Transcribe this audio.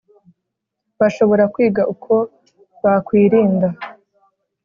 Bashobora kwiga uko bakwirinda